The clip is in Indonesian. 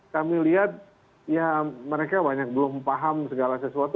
kami lihat ya mereka banyak belum paham segala sesuatu